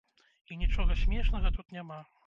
І нічога смешнага тут няма.